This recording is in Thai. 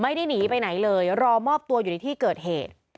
ไม่ได้หนีไปไหนเลยรอมอบตัวอยู่ในที่เกิดเหตุ